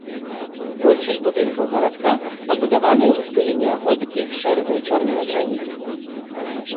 Большасць будынкаў гарадка пабудаваныя ў стылі неаготыкі з шэрага і чорнага граніту.